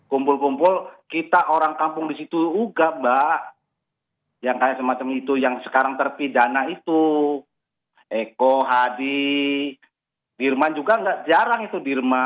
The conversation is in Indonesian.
kumpul kumpul kita orang kampung di situ juga mbak yang kayak semacam itu yang sekarang terpidana itu